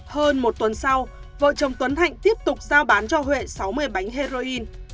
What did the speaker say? hơn một tuần sau vợ chồng tuấn hạnh tiếp tục giao bán cho huệ sáu mươi bánh heroin